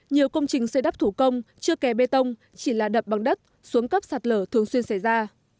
nhiều công trình xây đắp thủ công chưa kè bê tông chỉ là đập bằng đất xuống cấp sạt lở thường xuyên xảy ra